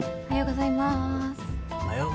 おはようございます。